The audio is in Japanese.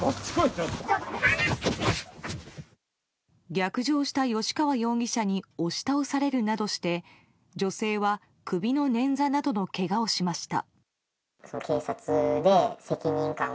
逆上した吉川容疑者に押し倒されるなどして女性は首のねんざなどのけがをしました。